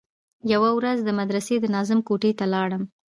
يوه ورځ د مدرسې د ناظم کوټې ته ولاړم.